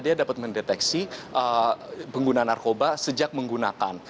dia dapat mendeteksi pengguna narkoba sejak menggunakan